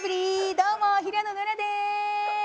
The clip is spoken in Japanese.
どうも平野ノラです